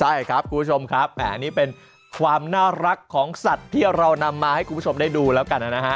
ใช่ครับคุณผู้ชมครับแหมนี่เป็นความน่ารักของสัตว์ที่เรานำมาให้คุณผู้ชมได้ดูแล้วกันนะฮะ